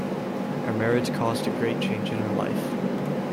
Her marriage caused a great change in her life.